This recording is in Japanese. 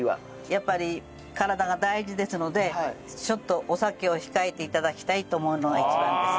やっぱり体が大事ですのでちょっとお酒を控えて頂きたいと思うのが一番です。